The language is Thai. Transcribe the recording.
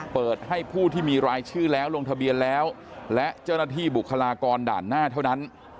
เปิดให้ผู้ที่มีรายชื่อแล้วลงทะเบียนแล้วและเจ้าหน้าที่บุคลากรด่านหน้าเท่านั้น